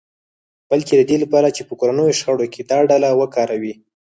بلکې د دې لپاره چې په کورنیو شخړو کې دا ډله وکاروي